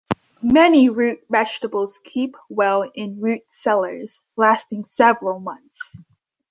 Many root vegetables keep well in root cellars, lasting several months.